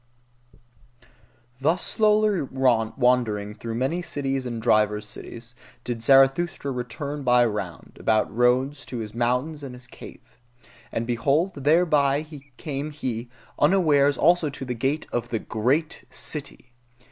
Thus slowly wandering through many peoples and divers cities, did Zarathustra return by round about roads to his mountains and his cave. And behold, thereby came he unawares also to the gate of the GREAT CITY.